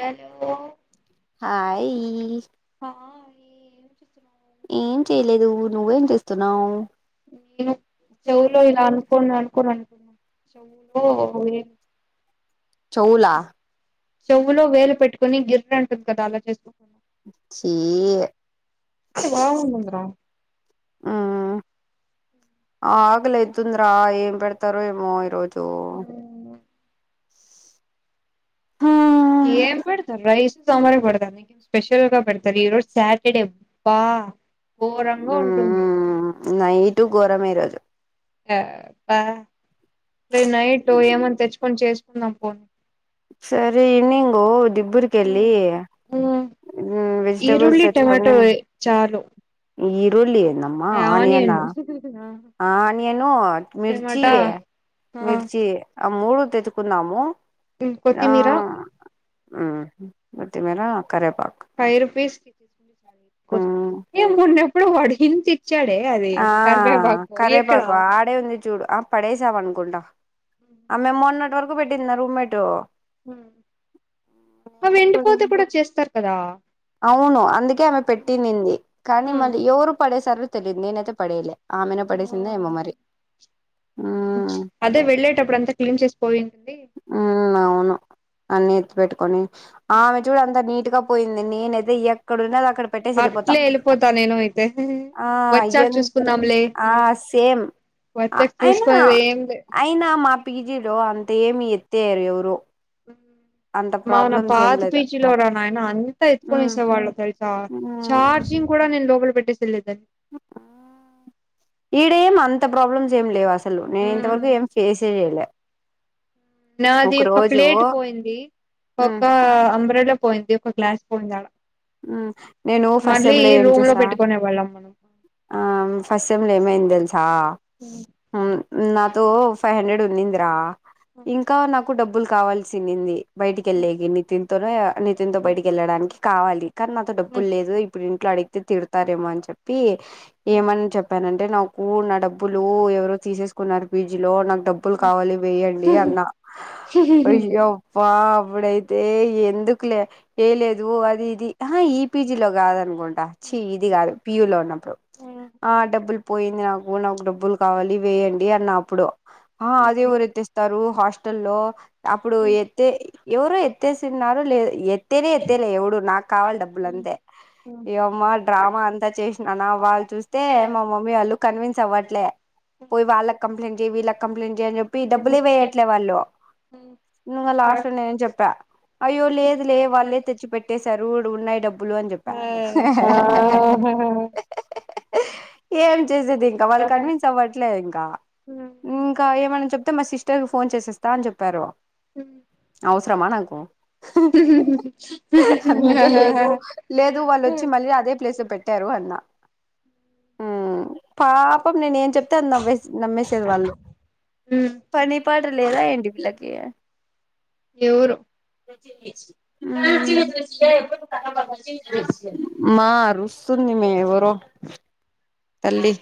Hello hi హా ఏం చేస్తున్నావు ఏం చేయలేదు నువ్వేం చేస్తున్నావు్ నేను చెవులో ఇలా అనుకోని అనుకోని చెవులో చెవుల చెవ్వులో వేలు పెట్టుకుొని గిర్రె అంటుంది కదా అలా చేస్తూ చి ఏ బాగుంటుందిరా మ్ ఆకలైతుందిరా ఏం పెడుతారో ఏమో ఈరోోజు మ్ అఓ ఏం పెడుతారు రైస్ సాంబారే పెడుతారు నకేం స్పెషల్ గా పెడుతారు ఈ రోజు సాటర్డే బా ఘోరంగా ఉంటుంది ఇంటూ ఘోరంమే ఈ రోజు ర నైట్ ఏమని తెచ్చుకొని చేసుకుందాం పోని సరే ఈవనింగు దిబ్బర్కి వెళ్ళి వెజిటబుల్స్ ఈరుల్లి టమాటో తెచ్చుకని చాలు ఈరుళికీ నామ్మా ఆనియన్ ఆనియనా ఆ ఆనియను మిర్చి టమాటా మిర్చి ఆ మూడు తెచ్చుకుందాము కొత్తిమీరా ఆ కొత్తిమీర కరేపాకు ఫైవ్ రూపీస్ మ్మ్ ఏ మన్నెప్పుడు వడికిించ ఇచ్చాడే అది ఆ కర్వేపాకు ఎక్కడ కరేపాకు ఆడే ఉంది చూడు ఆ పడేసామ అనుకుంటా ఆ మేము మొన్నన్నటి వరకు పెట్టింది రూమ్మేటు అ ఎప్పుడు ఎండిపోతే కూడా చేస్తారు కదా అవును అందుకే ఆమె పెట్టింది కానీ మళ్ళీ ఎవరు పడేసారో తెలియదు నేనైతే పడేలే ఆమెనే పడేసిందే ఏమో మరి మ్మ్ అదే వెళ్ళేటప్పుడు అంతా క్లీన్ చేసి పోయి ఉ అవును అన్ని ఎత్తు పెట్టుకొని ఆమె చూడు అంత నీట్ గా పోయి నేనయితే ఎక్కడున్నా అక్కడ పెట్టేసి వెళ్ళిపోతాం అట్లే వెళ్ళిపోతా నేను అయితే ఆ వచ్చాక చూసుకుందాంలే ఆ సేమ్ వచ్చాక అయినా చూసుకునేది ఏం లే అయినా మా పీజీలో అంత త ఏమి ఎతేేరు ఎవరు అంత మన ప్రాబ్లమ్స్ ఏం పాత లేదు పీచీలో నాయన అంత ఎత్తుకునే ఉమ్ సే వాళ్ళ తెరి చార్జింగ్ కూడా నేను లోపలి పెట్టే ఈడే ఏం అంత ప్రాబ్లమ్స్ ఏమి లేవా అస్ అసలు నేను ఇంతవరకు వెళ్ళేదాన్ని ఏం ఫేస్ చేయలేదు నాది ఒక ప్లేట్ పోయింది ఉమ్ ఒక అంబరెళ్ల పోయింది ఒక గ్లాస్ పోయింది ఆడ నేను ఫస్ట్ మళ్ళీ సెమ్ లో ఏం రూమ్ చేసా పెట్టుకునే వాళ్ళం మనం ఆ ఫస్ట్ సమ్ లేమైంది తెలుసా నాతో ఫైవ్ హండ్రెడ్ ఉన్నిందిరా ఇంకా నాకు డబ్బులు కావాల్సింది బయటికి వెళ్ళకిన్ని నితిన్ తోనో నితిన్ తో బయటకి వెళ్ళడానికి కావాలి కానీ నాతో డబ్బులు లేదు ఇప్పుడు ఇంట్లో అడిగితే తిడతారేమో అని చెప్పి ఏమని చెప్పాన అంటే నాకు నా డబ్బులు ఎవరో తీసేసుకున్నారు ఫీడ్జ్ లో నాకు డబ్బులు కావాలి వేయండి అయ్యా అబ ఇప్పుడైతే ఎందుకు లే ఏ లేదు అది ఇది ఆ ఈపీజీ లో కాదనుకోండి చి ఇది కాదు పియూలో ఉన్నప్పుడు ఆ డబ్బులు పోయింది నాకు నాకు డబ్బులు కావాలి వేయండి అన్నప్పుడు అదే ఎవరైతేస్తారు హాస్ ల్లో అప్పుడు ఎత్తే ఎవరు ఎత్తేసినార లే ఎతేలే ఎతేలే ఎవడు నాకు కావాలి డబ్బులు అంతే ఇమ్మా డ్రామా అంతా చే వాళ్ళు చూస్తే మా మమ్మీ వాళ్ళు కన్విన్స్ అవ్వట్లే పోయి వాళ్ళ కంప్లైంట్ చేయి వీళ్ళకి కంప్లైంట్ చేయ అని చెప్పి డబ్బులు ఏ వేయట్లే వాళ్ళు ను లాస్ట్ నే చెప్ప అయ్యో లేదులే లే వాళ్ళలేే తెచ్చి పెట్టే రు ఉన్నాయి డబ్బులు అని చెప్పా ఏం చేసేది ఇంకా వాళ్ళు కన్విన్స్ అవ్వట్ల ట్లే ఇంకా ఇంకా ఏమన్నా చెప్తే మా సిస్టర్ ఫోన్ చేసేస్తా అని చెప్పారు ఔస్రమా నాకు అందుకే లేదు లేదు వాళ్ళోచ్చి మళ్ళీ అదే ప్లేస్ పెట్టారు అన్న పాపం నేనెం చెప్తే అది నవ్వే నమ్మేసేది వాళ్ళు ఫనీ పాట లేద ఏంటి పిల్లకి ఎవరు ఉ మార్ వుస్తుంది మే ఎవరో తల్లి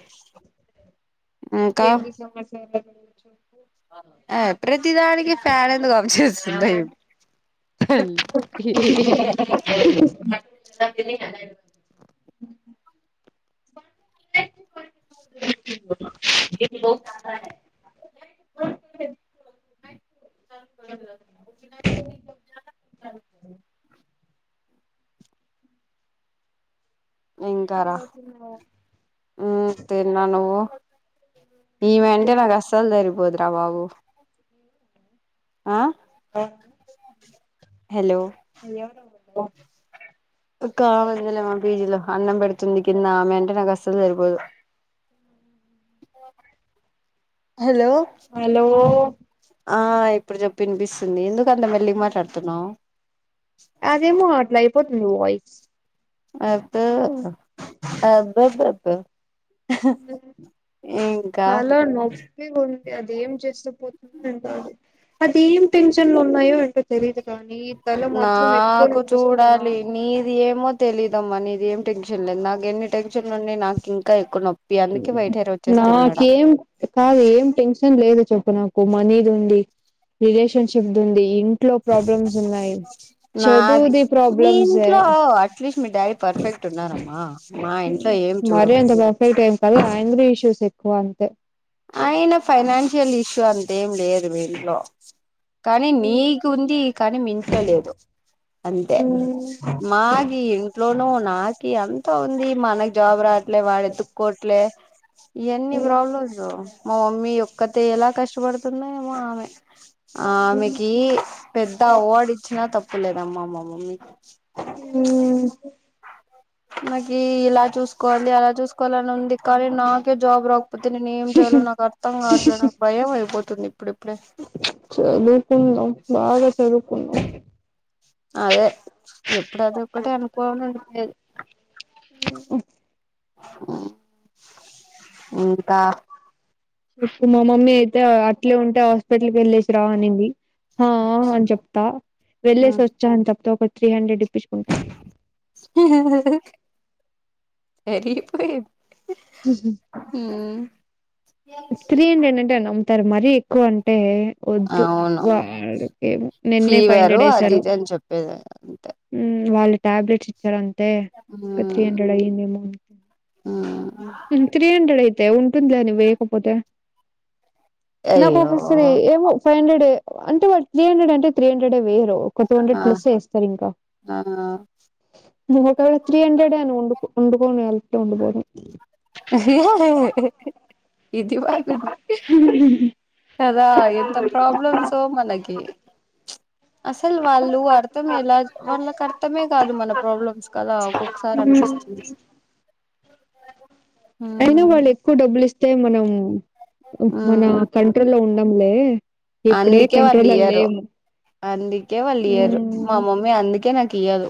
ఇంకా ఎనిమిది సంవత్సరాల నుంచో ఆ ప్రతిదానికి ఫ్యాన్ ఎందుకు ఆఫ్ చేేస్తుంది అ ఓ ఇంకారా చెప్పు ఉమ్ తిన్నా నువ్వు ఈవెంటె నాక్ అస్సల్ సరిబోద్ రా బాబు ఆ హలో ఎవరు ఒక్కాముందిలే మా పీజీలో అన్నం పెడుతుంది కింద ఆమె అంటే నాకు అసలు సరిపోదు హలో హలో ఆ ఇప్పుడు చెప్పినిపిస్తుంది ఎందుకట్ల మెళ్ళీగ్ మాట్లాడుతున్నావ్ అదేమో అట్లా అయిపోతుంది వాయిస్ అబ్బో అబ్బబ్బబ్బో ఇంకా చాలా నొప్పిగుంది అది ఏం చేస్త పోతుందో ఏంటో అది తెలియదు కానీ తల మాత్రం ఎక్కువ నాకు నొప్పిస్తుంది చూడాలి నాకు నీది ఏమో తెలీదమ్మా నీ ది ఏం టెన్షన్ లేద్ నాకు ఎన్ని టెన్షన్లున్నాయ్ నాకు ఇంకా ఎక్కువ నొ నాకేం కాదు ఏం టెన్షన్ లేదు చెప్పు నాకు మనీదీ ఉందీ రిలేషన్షిప్ దీ ఉంది ఇంట్లో ప్రాబ్లమ్స్ ఉన్నాయి నాది చదువుది మీ ప్రాబ్లమ్స్ ఏ ఇంట్లో అట్లీస్ట్ మీ డాడీ పర్ఫెక్ట్ ఉన్నారమ్మా మా ఇంట్లో ఏం చూడు మరి అంత పర్ఫైట్ టెం కదు ఆంగ్రీ ఇష్యూస్ ఎక్కువ అంతే అయిన ఫైనాన్షియల్ ఇష్యూ అంతేం లేదు మీ ఇంట్లో కానీ నీక్ ఉంది కానీ మింట్లో లేదు అంతే ఉమ్ మాగి ఇంట్లోను నాకి అం తో ఉంది మనక్ జాబ్ రావట్లే వాడు ఎతుక్కోవట్లే ఎన్ని ప్రాబ్లమ్స్ మా మమ్మీ ఒక్కతే ఎలా కష్టపడుతుందో ఏమో ఆమె ఆమెకి పెద్ద అవాడ్ ఇచ్చినా తప్పులేదమ్మామ్మ మమ్మీకి ఉమ్ మకి ఇలా చూసుకోవాలి అలా చూసుకోవాలని ఉంది కానీ నాకే జాబ్ రాకపోతే నేను ఏం చేయాలో నాకు అర్థం కావట్లే నాక్ భయమైపో చదువుకుందాం బాగా చదువుకుందాం అదే ఎప్పుడు అది ఒకటిే అనుకోవాల అడిపోయది ఓ మ్ ఇంకా ఇప్పుడు మా మమ్మీ అయితే అట్లే ఉంటే హాస్పిటల్కి వెళ్ళసి రా అనింది ఆ అని చెప్తా వెళ్లేేసి వచ్చా అని చెప్తా ఒక త్రీ హండ్రెడ్ ఇప్పించుకుంటా సరిపోఇంది మ్ త్రీ హండ్రెడ్ అంటే నమ్ముతారు మరీ ఎక్కువ అంటే వద్దు అవును బాగోదు నిన్నే ఫైవ్ ఫీవరు హండ్రెడ్ అది ఏసారు ఇది అని చెప్పేది అంతే మ్ వాళ్ళ ట్యాబ్లేెట్స్ ఇచ్చారంతే త్రీ హండ్రెడ్ ఆఇంది ఏమో ఆ త్రీ హండ్రెడ్ అయితే ఉంటుంది లే అని వేయకపోతే నాకు అయ్యో ఒకసారి ఏమో ఫైవ్ హండ్రెడ్ అంటే వాు త్రీ హండ్రెడ్ అంటే త్రీ హండ్రెడ్ే వేయరు ఒక టూ హండ్రెడ్ ఆ ప్లస్ వేస్తారు ఇంకా ఆ నాక్ అ ట్రీ హండ్రెడ్ను అని ఉండి పోను ఎల ఉండిపోను ఇది బాగుంది కదా ఎంత ప్రాబ్లమ్స్ో మనకి అసలు వాళ్ళు అర్థం ఎలా వాళ్ళకి అర్థమే కాదు మన ప్రాబ్లమ్స్ కలా ఒకొకసారి అన్ పిస్తుంది అయినా వాళ్ళు ఎక్కువ డబ్బులు ఇస్తే మనం మన కంటి లో ఉండంలే ఇప్పుడే అందుకే వాళ్ళు కంట్రోల్లో ఇయ్యరు లేము అందుకే వాళ్ళు ఇయ్యరు మా అవును మమ్మీ అందుకే నక్ కీయ్యదు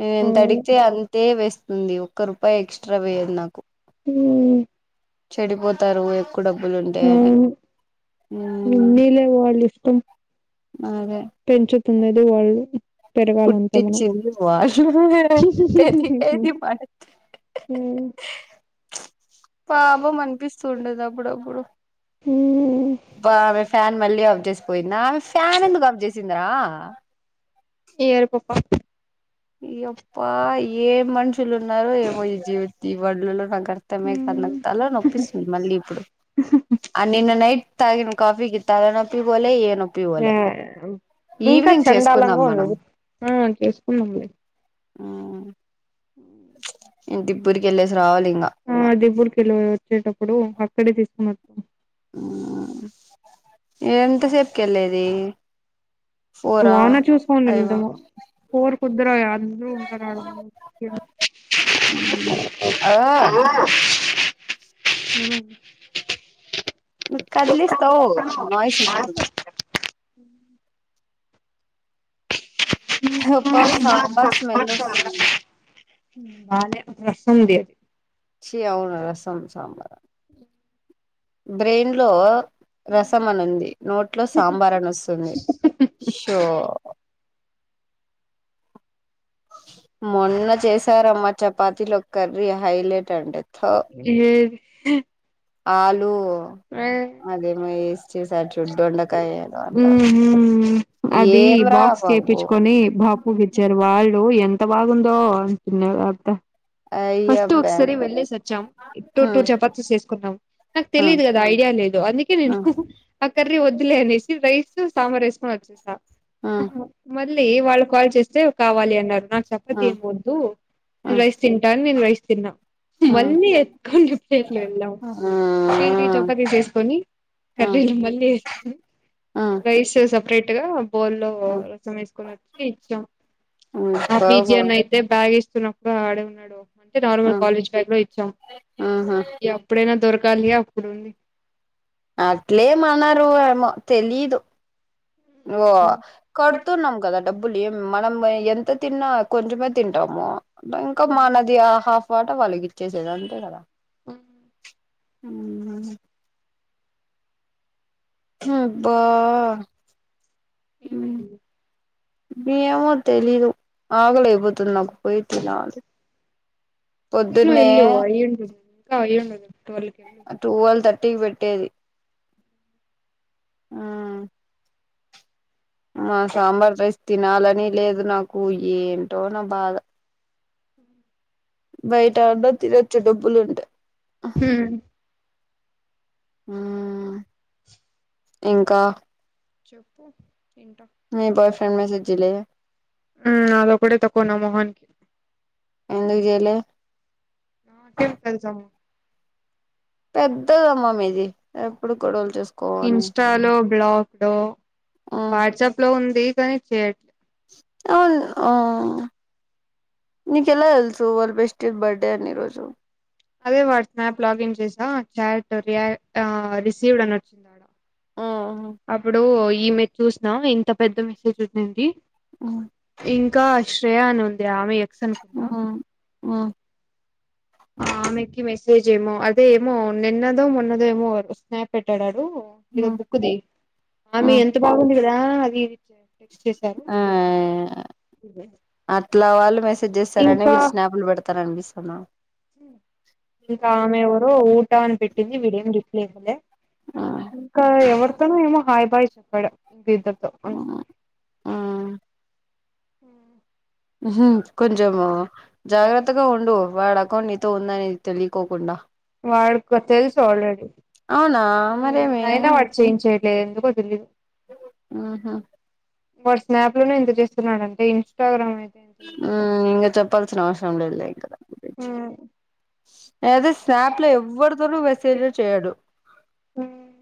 నేనెంతడిగితే అవును అంతే వేస్తుంది ఒక్క రూపాయి ఎక్స్ట్రా వేయదు నాకు మ్ చెడిపోతారు ఎక్కువ డబ్బులు ఉంటా అని మ్ ఉన్నీలే వాళ్ళ ఇష్టం పెంచుతున్నది వాళ్ళు పెరగాలంతె మనం పుట్టించింది వాళ్ళు పెరిగేది మనకి మ్ పాపం అనిపిస్తూండది అప్పుడప్పుడు ా ఆమె ఫ్యాన్ మళ్ళీ ఆఫ్ చేసి పోయిందా ఆమె ఫ్యాన్ ఎందుకు ఆఫ్ చేసింద్రా ఎవరు పాప యప్ప ఏ మనుషులు ఉన్నారో ఏమో ఈ జీవి బడులో నక్ కర్తమే కద్ తలా నొప్పిస్తుంది మళ్ళీ ఇప్పుడు ఆ నిన్న నైట్ తగిన కాఫికిి తలనొప్పి పోోలే ఏ ఏ నోప్పిపోలే ఇంకా చండాలంగా ఉందది ఆ ఉ ఇంటి ఇప్పటికేళ్ళేసి రావాలి ఇంగ ఆ దిబూర్కిెళ్ళ వచ్చేటప్పుడు అక్కడే తీసుకుని వ మ్ ఎంతసేపుకేళ్ళేది వానా చూసుకోనివేళ్దాము కోరు కుద్దిరా అంద్రు ఉంటారాడ ఓ ఉహు కదిలిస్తావ్ నాయిస్ వస్తుంది హ అబ్బా మ మ సాంబార్ స్మెల్ వస్తుంది వాళ్ళే ప్రసుంది సి అవును రసం సాంబార్ అ బ్రెయిన్ లో రసం అని ఉంది నోట్లో సాంబార్ అని వస్తుంది షో మొన్న చేసారమ్మా చపాతీలు ఒక్కర్రి హైలైట్ అంటే ఏ ఆలు అదేమో వేసి చేశార్ అది ఏం రా బాక్స్ బాబు చెప్పిచ్చుకొని బాపూ కిచ్ ఇచ్చారు వారు వాళ్ళు ఎంత బాగుందో ఫస్ట్ అయ్యబ్బ ఒకసారి వెళ్లేేసి వచ్చాం ఇ టూ టూ హ్మ్ చపాతీ వేసుకున్నాం నాకు హ్మ్ తెలిదు కదా ఐడియా లేదు అందుకే నేను హ్మ్ ఆ కర్రీ వద్దులే అనేసి రైస్ సాంబర్ వేస్కుని వచ్చేసా హ్మ్ మళ్ళీ వాళ్ళు కాల్ చేస్తే కావాలి అన్నారు నాకు చప్పతి హ్మ్ ఏం వద్దు నేను హ్మ్ రైస్ తింటాను నేను రైస్ తిన్నా మళ్ళీ ఎకన్ ప్లేట్లు వెళ్ళాం హ్మ్ త్రి త్రి చపాతీస్ వేసుకొని హ్మ్ కర్రీలో మళ్ళీ వేసుకని హ్మ్ రైస్ సపరేట్ బోల్లో రసం వేసుకుని వచ్చి ఇచ్చాం హ్మ్ ఆ పిజి బాబు అన్న అయితే బ్యాగ్ సను అప్పుడు ఆడే ఉన్నాడు అంటే నార్మల్ హ్మ్ కాలేజ్ బైక్ లో ఇచ్చాం ఊహూ ఎప్పుడైనా దొరకాలియా అప్పుడుంది అట్లేమన్రు ఏమో తెలీదు నువు కడుతున్నాం కదా డబ్బులు ఏం మనం ఎంత తిన్నా కొంచమే తింటాము ఇంకా మనది హాఫ్ వాటా వాళ్ళకి ఇచేసేది అంతే కదా అ ఉహు అబ్బా హ్మ్ ఏమైంది ఏమో తెలీదు ఆగలేక పోతుంది నాకు పోయోచ్చిన తిను ఎళ్ళు అయ్యుంటుంది ఇట్టికి పెట్టేది ఆ ఆ సాంబార్ రైస్ తినాలని లేదు నాకు ఏంటో నా బాధ బయటా యాన్నా తినచ్చు డబ్బులు ఉంటె హ్మ్ ఆ ఇంకా చెప్పు ఇంటా మీ బాయ్ ఫ్రెండ్ మెసెజ్ చేయలే అదొ ఒకటే తక్కువ నా మోహనికి ఎందుకు జెయలే ఆ కేం తెసాము పెద్దదమ్మ మీది ఎప్పుడు గొడవలు చేసుకోవని ఇన్స్టాలో బ్లాగ లో వాట్సాప్ లో ఉంది కానీ చేయట్లేదు అవు ఆ నీక ఎలా తెలుసు వరల్ బెస్ట్ బర్త్డే అని ఈ రోజు అదే స్నాప్ లాగిన్ చేసా చాట్ రియా రిసీవ్డ్ అని వచ్చిందీ మ్మ్ అప్పుడు ఈమెదీ చూసినా ఇంత పెద్ద మెసేజ్ ఉండింది మ్మ్ ఇంకా శ్రేయా అని ఉంది ఆమె ఎక్స్ అనుకుందా మ్మ్ మ్మ్ ఆమెకి మెసేజ్ ఏమో అదే ఏమో నిన్నదో మొన్నదో ఏమో స్నాప్ పెట్టాడ ఉ అదో హ్మ్. బుక్ తేయ్ ఆమె హ్మ్. ఎంత బాగుంది ఇద అది టెక్స్ట్ చేశారు ఆ అ ఇట్లా వాళ్ళు మెసేజ్ చేస్తారనే ఇంకా వీళ్ళు స్నాప్లు పెడతార అనిపిస్తున్నా నాకు ఇంకా ఆమెవరో ఊట అని పెట్టింది వీడ ఏమి రిప్లై ఇవాళే ఇంకా ఎవరితోనో ఏమో హాయి్ బాయ్ చెప్పాడు ఇంక ఇద్దరు ఉ కొంచెం జాగ్రత్తగా ఉండు వాడి అకౌంట్ నీతో ఉందని తెలియకోకుండా వాడికి తెలుసు ఆల్రెడీ అవునా మరి ఏమి అయినా వాడు చేయించేయట్లేదు ఎందుకో తెలీదు ఆహా వాడూ స్నాప్ లోనే ఇంత చేస్తున్నాడు అంటే ఇన్స్టాగ్రామ్ ఎంత చేస్తాడో ఇంకా చెప్పాల్సిన అవసరం లేదు లే ఆ అదే స్నాప్ లో ఎవరితోనూ మెసేజ్లు చేయడు ఉమ్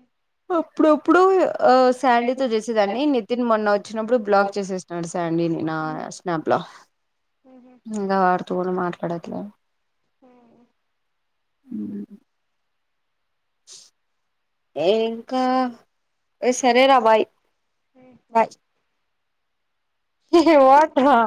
అప్పుడప్పుడు ఇప్పుడు శాండీతో చేసేదాండి నితిన్ మొన్న వచ్చినప్పుడు బ్లాగ్ చేసేస్తున్నాడు శాండీని నా స్నాప్ ఇంకా వాడుతోనూ మాట్లాడటల్ హ ఆ ఇంకా సరే రా బాయ్ బాయ్ ఎవడ్రా